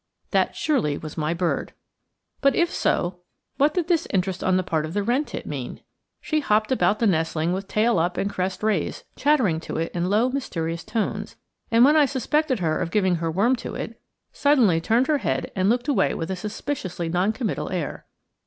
That surely was my bird. But if so, what did this interest on the part of the wren tit mean? She hopped about the nestling with tail up and crest raised, chattering to it in low mysterious tones; and when I suspected her of giving her worm to it, suddenly turned her head and looked away with a suspiciously non committal air.